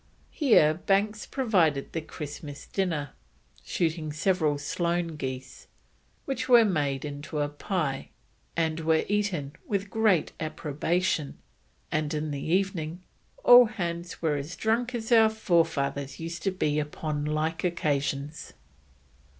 Here Banks provided the Christmas dinner, shooting several solan geese, which were made into a pie, and were "eaten with great approbation; and in the evening all hands were as drunk as our forefathers used to be upon like occasions."